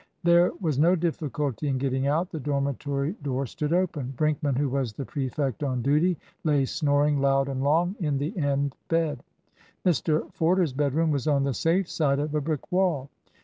There was no difficulty in getting out. The dormitory door stood open. Brinkman, who was the prefect on duty, lay snoring loud and long in the end bed. Mr Forder's bedroom was on the safe side of a brick wall.